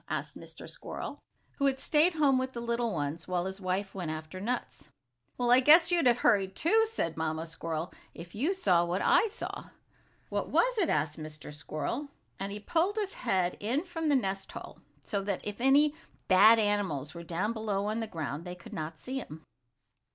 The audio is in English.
asked Mr. Squirrel, who had stayed home with the little ones, while his wife went after nuts. "Well, I guess you'd have hurried too," said the mamma squirrel, "if you saw what I saw!" "What was it?" asked Mr. Squirrel, and he pulled his head in from the nest hole, so that if any bad animals were down below on the ground they could not see him.